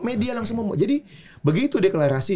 media langsung ngomong jadi begitu deklarasi